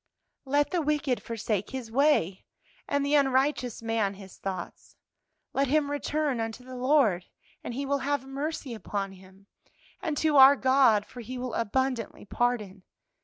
"'Let the wicked forsake his way, and the unrighteous man his thoughts; let him return unto the Lord, and He will have mercy upon him, and to our God, for He will abundantly pardon.'